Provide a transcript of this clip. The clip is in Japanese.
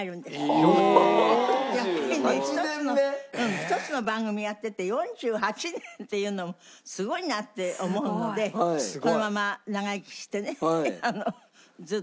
１つの番組やってて４８年っていうのもすごいなって思うのでそのままはあ！